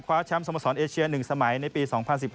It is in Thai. แชมป์สมสรเอเชีย๑สมัยในปี๒๐๑๙